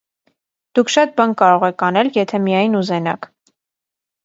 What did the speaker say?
- Դուք շատ բան կարող եք անել, եթե միայն ուզենաք…